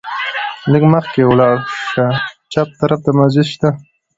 لږ مخکې ولاړ شه، چپ طرف ته مسجد شته دی.